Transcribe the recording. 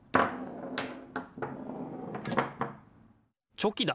チョキだ！